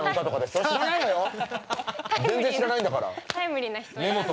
全然知らないんだから！